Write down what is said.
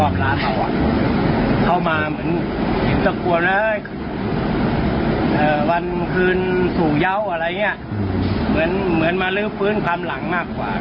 มันคว่างแค่ลงมาโดนคนอืมคนมันก็แตกถึงแล้วมันก็ออกจากร้าน